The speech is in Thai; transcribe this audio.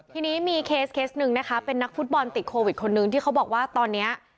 ทีนี้มีเคสเคสหนึ่งนะคะเป็นนักฟุตบอลติดโควิดคนนึงที่เขาบอกว่าตอนนี้